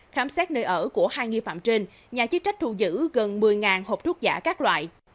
khám xét nơi ở của hai nghi phạm trên nhà chức trách thu giữ gần một mươi hộp thuốc giả các loại